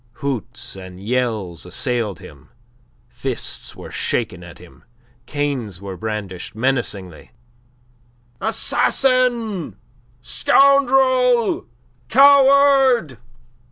Hoots and yells assailed him, fists were shaken at him, canes were brandished menacingly. "Assassin! Scoundrel! Coward!